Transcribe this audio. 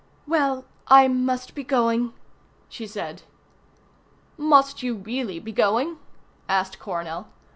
"Well, I must be going," she said. "Must you really be going?" asked Coronel.